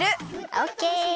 オッケー。